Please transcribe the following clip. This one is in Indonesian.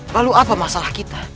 lalu apa masalah kita